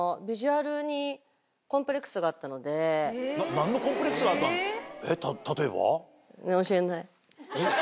何のコンプレックスがあったんですか？